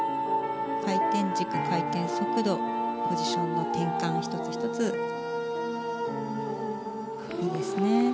回転軸、回転速度ポジションの転換１つ１つ、いいですね。